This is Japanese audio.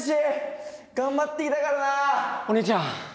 お兄ちゃん！